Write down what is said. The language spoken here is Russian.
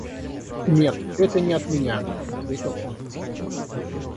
— Нет, это не от меня, — ответил он.